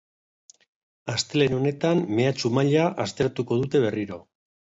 Astelehen honetan mehatxu-maila aztertuko dute berriro.